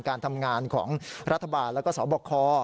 การทำงานของรัฐบาลแล้วก็สบค